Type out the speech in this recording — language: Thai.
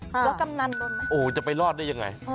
แล้วกำนันโดนไหมโอ้จะไปรอดได้ยังไง